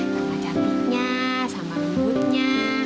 sama cantiknya sama rambutnya